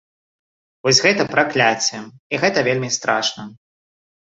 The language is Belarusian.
Вось гэта пракляцце, і гэта вельмі страшна.